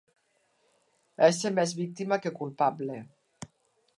Ésser més víctima que culpable